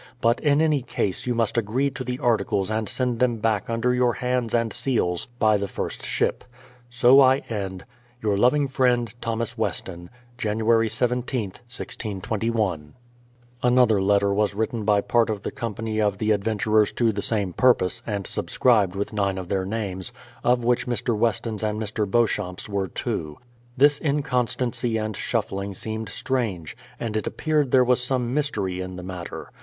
But in any case you must agree to the articles and send them back under your hands and seals by the first ship. So I end. Your loving friend, Jan. 17th. 1621. THOS. WESTON. .10568A 100 BRADFORD'S HISTORY OP Another letter was written by part of the company of the adventurers to the same purpose, and subscribed with nine of their names, of which Mr, Weston's and Mr. Beau champ's were two. This inconstancy and shuffling seemed strange, and it appeared there was some mystery in the matter.